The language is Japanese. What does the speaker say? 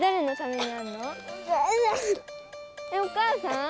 お母さん？